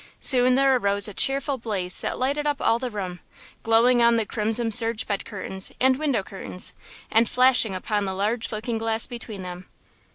Soon there arose a cheerful blaze that lighted up all the room, glowing on the crimson serge bed curtains and window curtains and flashing upon the large looking glass between them.